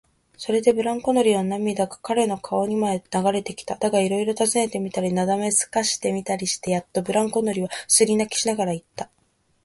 それでブランコ乗りの涙が彼の顔にまで流れてきた。だが、いろいろたずねてみたり、なだめすかしてみたりしてやっと、ブランコ乗りはすすり泣きしながらいった。